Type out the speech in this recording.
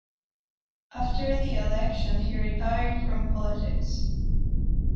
After the election he retired from politics.